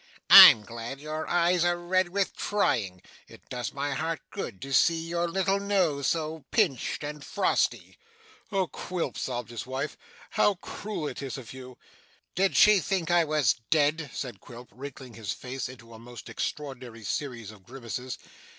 I'm glad your eyes are red with crying. It does my heart good to see your little nose so pinched and frosty.' 'Oh Quilp!' sobbed his wife. 'How cruel it is of you!' 'Did she think I was dead?' said Quilp, wrinkling his face into a most extraordinary series of grimaces.